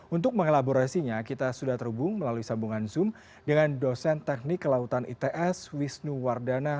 untuk mengelaborasinya kita sudah terhubung melalui sambungan zoom dengan dosen teknik kelautan its wisnu wardana